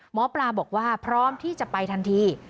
หมอปลาบอกว่าพร้อมที่จะไปทันที